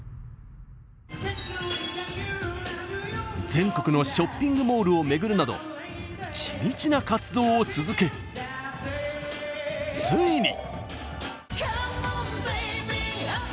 全国のショッピングモールを巡るなど地道な活動を続けついに！